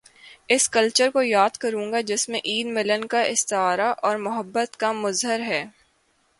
اس culture کو یاد کروں گا جس میں عید، ملن کا استعارہ اور محبت کا مظہر ہے۔